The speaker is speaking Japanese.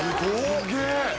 すげえ。